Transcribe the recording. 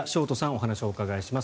お話をお伺いします。